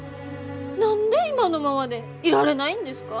何で今のままでいられないんですか？